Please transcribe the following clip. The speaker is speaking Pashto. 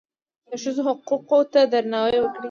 د ښځو حقوقو ته درناوی وکړئ